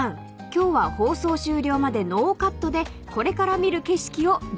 今日は放送終了までノーカットでこれから見る景色をリポートしてください］